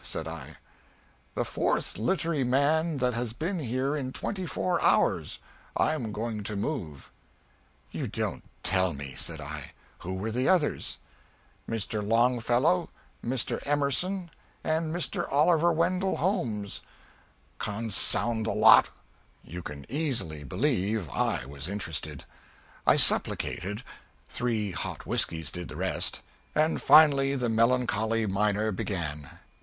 said I. "The fourth littery man that has been here in twenty four hours I'm going to move." "You don't tell me!" said I; "who were the others!" "Mr. Longfellow, Mr. Emerson and Mr. Oliver Wendell Holmes consound the lot!" You can easily believe I was interested. I supplicated three hot whiskeys did the rest and finally the melancholy miner began.